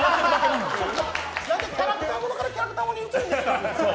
何でキャラクターものからキャラクターものに移るんですか！